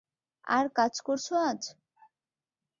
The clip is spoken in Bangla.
আর কাজ করছো আজ?